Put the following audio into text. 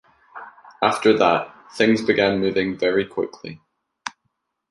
After that, things began moving very quickly.